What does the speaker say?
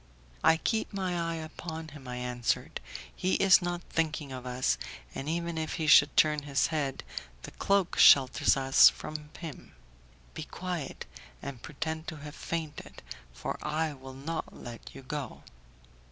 "I keep my eye upon him," I answered, "he is not thinking of us, and even if he should turn his head, the cloak shelters us from him. Be quiet, and pretend to have fainted, for I will not let you go."